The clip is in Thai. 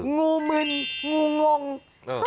งูมึนงูงอ้า